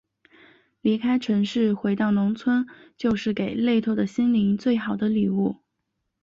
离开城市，回到农村，就是给累透的心灵最好的礼物。